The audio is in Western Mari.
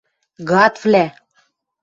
– Гадвлӓ!